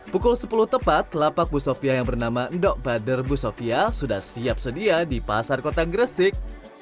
pukul sepuluh tepat lapak bu sofia yang bernama dok bader bu sofia sudah siap sedia di pasar kota gresik